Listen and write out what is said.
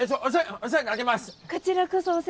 お世話になります。